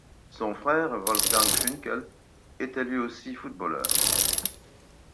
Son frère, Wolfgang Funkel, était lui aussi footballeur.